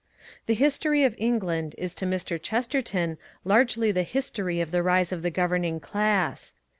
The history of England is to Mr. Chesterton largely the history of the rise of the governing class.